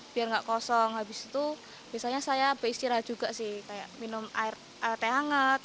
biar enggak kosong habis itu biasanya saya beristirahat juga sih kayak minum air teh hangat